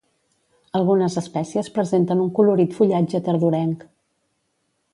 Algunes espècies presenten un colorit fullatge tardorenc.